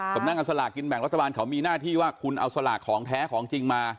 สำนักงานสลากกินแบ่งรัฐบาลเขามีหน้าที่ว่าคุณเอาสลากของแท้ของจริงมา